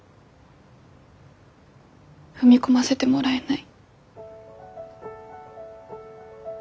踏み込ませてもらえない。